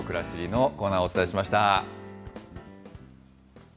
以上、くらしりのコーナーをお伝えしました。